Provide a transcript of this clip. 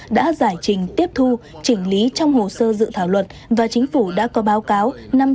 đã giải trình tiếp thu chỉnh lý trong hồ sơ dự thảo luật và chính phủ đã có báo cáo